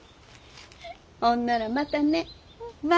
ほんならまたね。